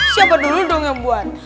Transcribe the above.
siapa dulu dong yang buat